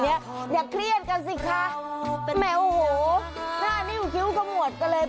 เดี๋ยวเคลียดกันสิคะแมวโหหน้านี้ขูคิ้วก็หมดก็เลย